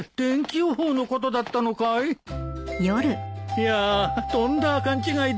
いやとんだ勘違いでした。